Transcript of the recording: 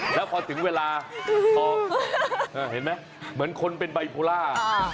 แล้วพอถึงเวลาพอเห็นไหมเหมือนคนเป็นไบโพล่า